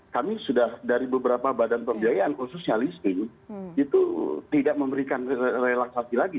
kami sudah dari beberapa badan pembiayaan khususnya listing itu tidak memberikan relaksasi lagi